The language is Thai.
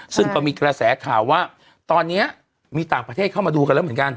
ซึ่งก็มีกระแสข่าวว่าตอนนี้มีต่างประเทศเข้ามาดูกันแล้วเหมือนกัน